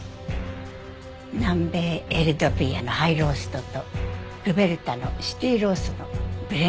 南米エルドビアのハイローストとルベルタのシティローストのブレンドですって。